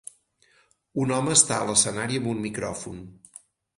un home està a l'escenari amb un micròfon.